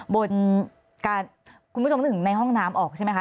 บนการคุณผู้ชมนึกถึงในห้องน้ำออกใช่ไหมคะ